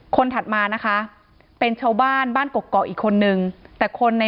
ถัดมานะคะเป็นชาวบ้านบ้านกกอกอีกคนนึงแต่คนใน